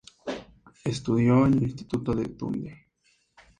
Estudió en el Instituto de Dundee.